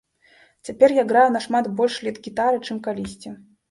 Цяпер я граю нашмат больш лід-гітары, чым калісьці.